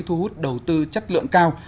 thu hút đầu tư chất lượng cao